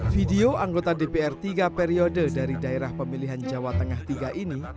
video anggota dpr tiga periode dari daerah pemilihan jawa tengah tiga ini